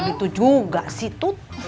gak gitu juga situt